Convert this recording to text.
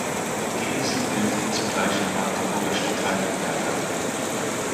Die Insel bildet zugleich den Magdeburger Stadtteil Werder.